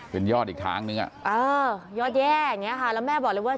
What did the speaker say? เป็นยอดอีกทางนึงยอดแย่แล้วแม่บอกเลยว่า